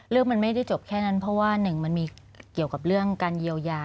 เรื่องมันไม่ได้จบแค่นั้นเพราะว่าหนึ่งมันมีเกี่ยวกับเรื่องการเยียวยา